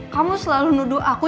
kamu selalu nuduh aku